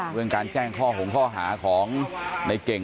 เรื่องการแจ้งข้อหงข้อหาของในเก่ง